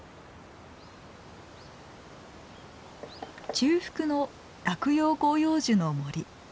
中腹の落葉広葉樹の森。